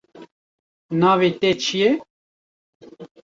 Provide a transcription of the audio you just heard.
Navê te çi ye?